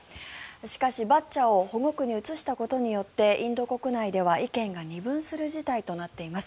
しかし、バッチャを保護区に移したことによってインド国内では意見が二分する事態となっています。